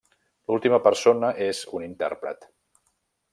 L'última persona és un intèrpret.